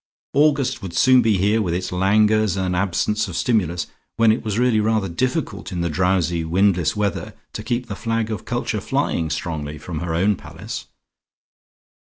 August would soon be here with its languors and absence of stimulus, when it was really rather difficult in the drowsy windless weather to keep the flag of culture flying strongly from her own palace.